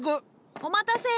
お待たせ。